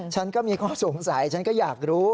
ฉันก็มีข้อสงสัยฉันก็อยากรู้